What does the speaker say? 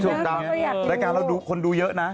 แล้วก็อยากรู้รายการเราคนดูเยอะนะ